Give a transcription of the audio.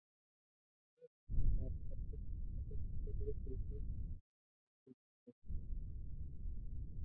এরপর ভারপ্রাপ্ত সম্পাদক হিসেবে শিশু সওগাত পত্রিকায় দায়িত্ব পালন করেন।